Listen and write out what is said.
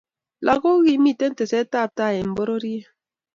Lakok kokimiti tesetab tai eng pororiet